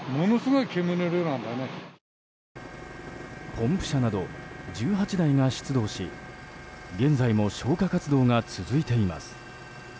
ポンプ車など１８台が出動し現在も消火活動が続いています。